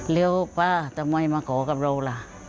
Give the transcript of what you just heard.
แล้วป้าทำไมมาขอกับเราล่ะ